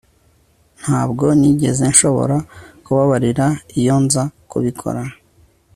Ntabwo nigeze nshobora kubabarira iyo nza kubikora